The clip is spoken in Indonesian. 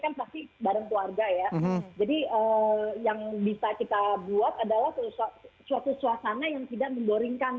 kan pasti bareng keluarga ya jadi yang bisa kita buat adalah suatu suasana yang tidak mendoringkan